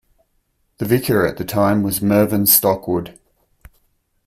The vicar at the time was Mervyn Stockwood.